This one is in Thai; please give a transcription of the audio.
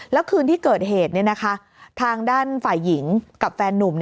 แล้วคืนที่เกิดเหตุทางด้านฝ่ายหญิงกับแฟนนุ่ม